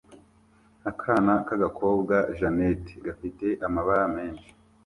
Akana k'agakobwa jannet gafite amabara menshi